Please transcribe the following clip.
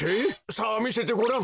さあみせてごらん！